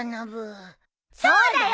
そうだよ！